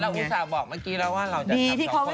เราอุตส่าห์บอกเมื่อกี้แล้วว่าเราจะจับสองคน